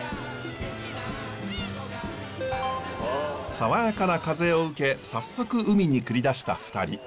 爽やかな風を受け早速海に繰り出した２人。